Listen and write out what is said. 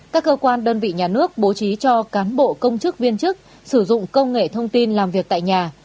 các cơ quan đơn vị nhà nước bố trí cho cán bộ công chức viên chức sử dụng công nghệ thông tin làm việc tại nhà